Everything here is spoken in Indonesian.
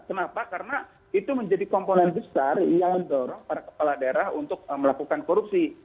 kenapa karena itu menjadi komponen besar yang mendorong para kepala daerah untuk melakukan korupsi